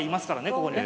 ここにね。